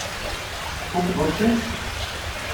Tfukeḍ učči?